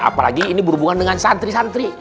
apalagi ini berhubungan dengan santri santri